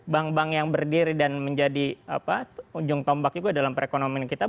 bank bank yang berdiri dan menjadi ujung tombak juga dalam perekonomian kita